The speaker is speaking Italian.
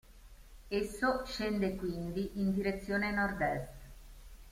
Esso scende quindi in direzione nord-est.